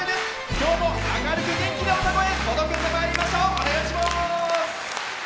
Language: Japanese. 今日も明るく元気な歌声届けてまいりましょう。